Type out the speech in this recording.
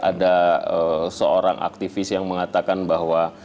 ada seorang aktivis yang mengatakan bahwa